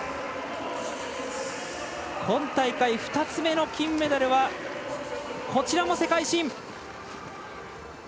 今大会２つ目の金メダルはこちらも世界新。